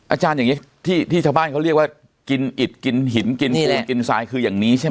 อาจารย์อย่างนี้ที่ชาวบ้านเขาเรียกว่ากินอิดกินหินกินโฟนกินทรายคืออย่างนี้ใช่ไหม